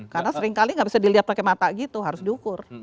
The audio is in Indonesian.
karena seringkali nggak bisa dilihat pakai mata gitu harus diukur